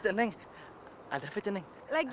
ceneng ada apa ceneng